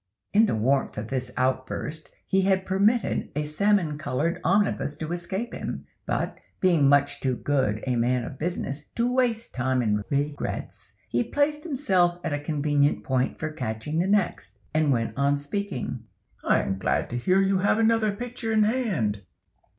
In the warmth of this outburst, he had permitted a salmon colored omnibus to escape him, but, being much too good a man of business to waste time in regrets, he placed himself at a convenient point for catching the next, and went on speaking. "I am glad to hear you have another picture in hand."